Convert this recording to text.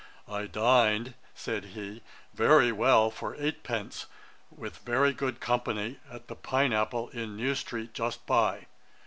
'I dined (said he) very well for eight pence, with very good company, at the Pine Apple in New street, just by.